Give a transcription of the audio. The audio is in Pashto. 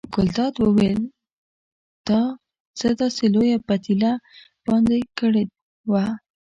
ګلداد وویل تا څه داسې لویه پتیله باندې کړې وه.